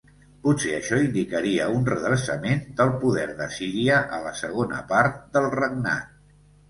Potser això indicaria un redreçament del poder d'Assíria a la segona part del regnat.